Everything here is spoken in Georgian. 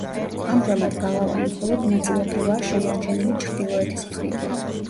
ამჟამად გალავანი მხოლოდ ნაწილობრივაა შემორჩენილი ჩრდილოეთის მხრიდან.